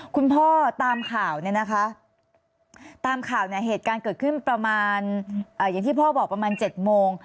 คุณพ่อตามข่าวเนี่ยนะคะตามข่าวเนี่ยเหตุการณ์เกิดขึ้นประมาณอย่างที่พ่อบอกประมาณ๗โมง